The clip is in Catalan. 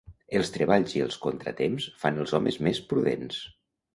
Els treballs i els contratemps fan els homes més prudents.